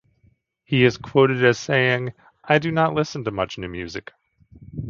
He is quoted as saying I do not listen to much new music.